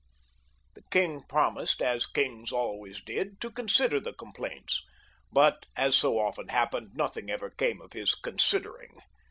The king promised, as the kings always did, to consider the complaints ; but, as so often happened, nothing ever XLiL] LOUIS XIU. 319 came of Ids considering.